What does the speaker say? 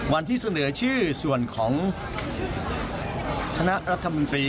วันที่เสนอชื่อส่วนของคณะรัฐมนตรี